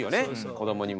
子どもにも。